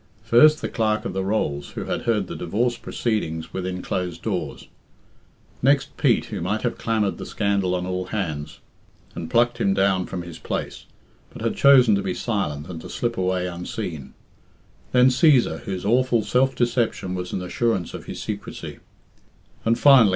First, the Clerk of the Rolls, who had heard the divorce proceedings within closed doors; next Pete, who might have clamoured the scandal on all hands, and plucked him down from his place, but had chosen to be silent and to slip away unseen; then Cæsar, whose awful self deception was an assurance of his secrecy; and, finally.